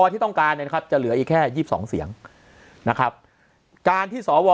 ที่ต้องการเนี่ยนะครับจะเหลืออีกแค่๒๒เสียงนะครับการที่สว